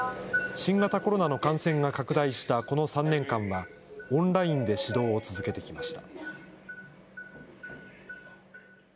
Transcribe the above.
新型コロナの感染が拡大したこの３年間は、オンラインで指導を続けてきました。